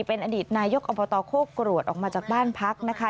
เป็นอดีตนายกอบตโคกรวดออกมาจากบ้านพักนะคะ